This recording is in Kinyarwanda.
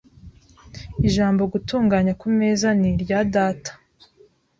Ijambo gutunganya kumeza ni irya data .